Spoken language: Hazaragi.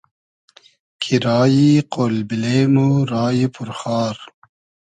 کی رایی قۉل بیلې مۉ رایی پور خار